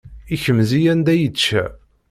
Ikmez-iyi anda i yi-ičča.